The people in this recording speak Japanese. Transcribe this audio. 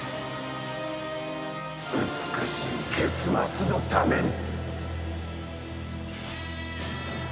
美しい結末のために！